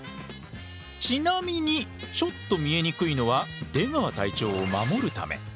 ちなみにちょっと見えにくいのは出川隊長を守るため。